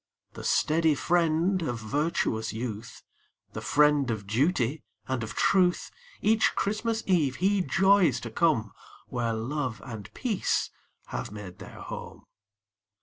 The steady friend of virtuous youth, The friend of duty, and of truth, Each Christmas eve he joys to come Where love and peace have made their home.